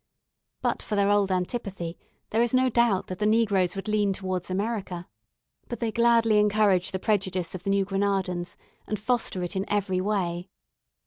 But for their old antipathy, there is no doubt that the negroes would lean towards America; but they gladly encourage the prejudice of the New Granadans, and foster it in every way.